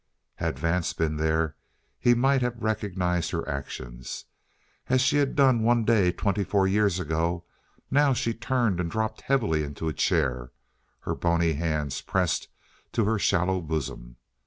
Had Vance been there, he might have recognized her actions. As she had done one day twenty four years ago, now she turned and dropped heavily into a chair, her bony hands pressed to her shallow bosom.